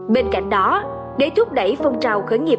bên cạnh đó để thúc đẩy phong trào khởi nghiệp